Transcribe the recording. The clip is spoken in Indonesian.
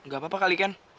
gak apa apa kaliken